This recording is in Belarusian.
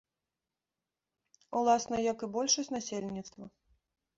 Уласна, як і большасць насельніцтва.